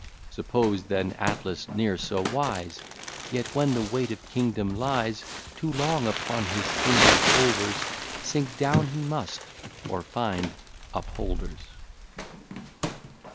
Suppose then Atlas ne'er so wise; Yet, when the weight of kingdoms lies Too long upon his single shoulders, Sink down he must, or find upholders.